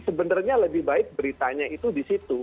sebenarnya lebih baik beritanya itu disitu